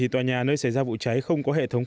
tòa nhà nơi xảy ra vụ cháy không có hệ thống